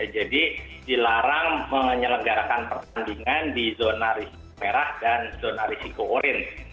jadi dilarang menyelenggarakan pertandingan di zona merah dan zona risiko orin